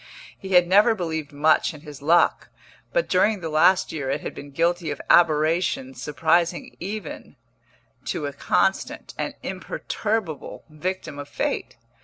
He had never believed much in his luck, but during the last year it had been guilty of aberrations surprising even to a constant, an imperturbable, victim of fate.